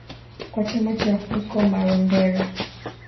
kwa chama cha huko Marondera